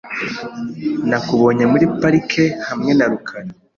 Nakubonye muri parike hamwe na rukara .